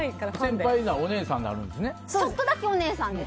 先輩、お姉さんになるんですね。